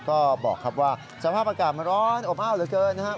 ก็บอกครับว่าสภาพอากาศมันร้อนอบอ้าวเหลือเกินนะครับ